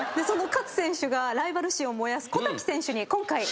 その勝選手がライバル心を燃やす小滝選手に今回。